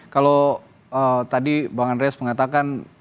kalau tadi bang andreas mengatakan